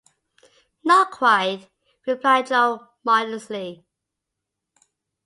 "Not quite," replied Jo modestly.